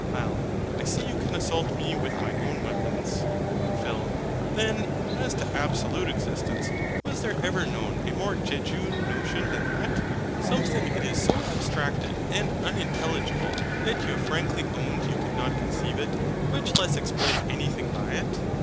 HYL. I see you can assault me with my own weapons. PHIL. Then as to ABSOLUTE EXISTENCE; was there ever known a more jejune notion than that? Something it is so abstracted and unintelligible that you have frankly owned you could not conceive it, much less explain anything by it.